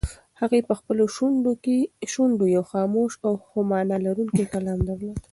هغې په خپلو شونډو یو خاموش خو مانا لرونکی کلام درلود.